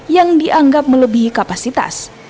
yang dianggap melebihi kapasitas